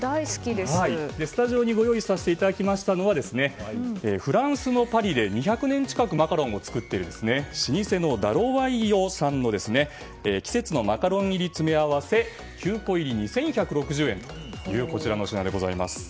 スタジオにご用意させていただきましたのはフランスのパリで２００年近くマカロンを作っている老舗のダロワイヨさんの季節のマカロン入り詰め合わせ９個入り、２１６０円というこちらの品でございます。